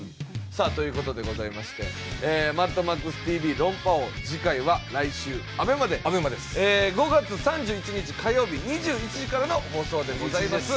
さあという事でございまして『マッドマックスＴＶ論破王』次回は来週ＡＢＥＭＡで５月３１日火曜日２１時からの放送でございます。